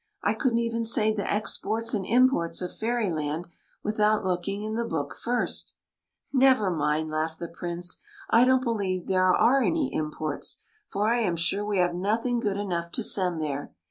I couldn't even say the exports and imports of Fairyland without looking in the book first !"" Never mind," laughed the Prince ;I don't believe there are any imports, for I am sure we have nothing good enough to send there.